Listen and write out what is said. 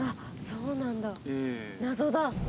そうなんだ謎だ。